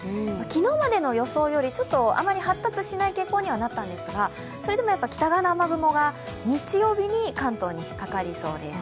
昨日までの予想よりあまり発達しない傾向にはなったんですが、それでもやっぱり北側の雨雲が日曜日に関東にかかりそうです。